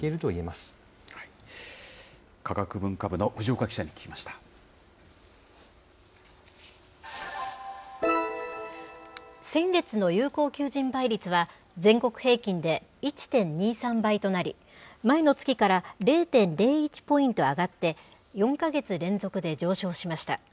ま科学文化部の藤岡記者に聞き先月の有効求人倍率は、全国平均で１．２３倍となり、前の月から０．０１ポイント上がって、４か月連続で上昇しました。